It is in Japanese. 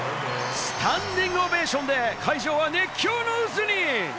スタンディングオベーションで会場は熱狂の渦に。